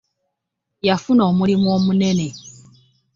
Yafuna omulimu omunene.